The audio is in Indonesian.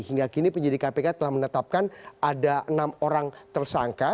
hingga kini penyidik kpk telah menetapkan ada enam orang tersangka